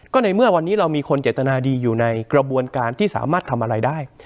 ก็ในเมื่อวันนี้เรามีคนเจตนาดีอยู่ในกระบวนการที่สามารถทำอะไรได้